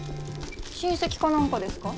親戚か何かですか？